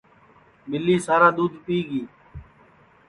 ٻِلی سارا دُؔودھ پِیگی